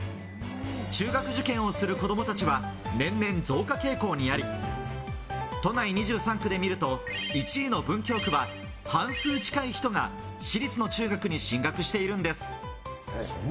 中学受験をする子供たちは、年々増加傾向にあり、都内２３区で見ると、１位の文京区は半数近い人が私立の中学に進学しているのです。